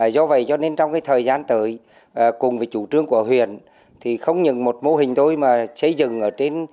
do vậy cho nên trong thời gian tới cùng với chủ trương của huyện thì không những một mô hình tôi mà xây dựng ở trên